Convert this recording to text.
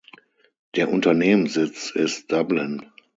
Der Unternehmenssitz ist Dublin.